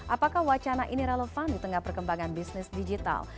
apakah wacana ini relevan di tengah perkembangan bisnis digital